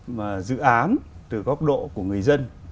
và dự án từ góc độ của người dân